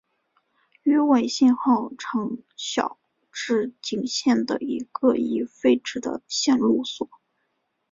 羽尾信号场筱之井线的一个已废止的线路所。